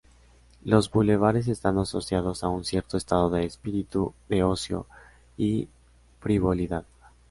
Los bulevares están asociados a un cierto estado de espíritu de ocio y frivolidad.